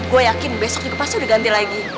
gue yakin besok juga pasti diganti lagi